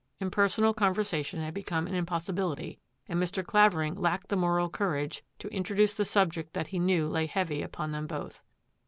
Impersonal conversation had become an impossibility, and Mr. Clavering lacked the moral courage to introduce the subject that he knew lay heavy upon them both.